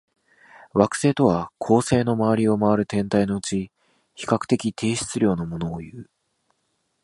惑星とは、恒星の周りを回る天体のうち、比較的低質量のものをいう。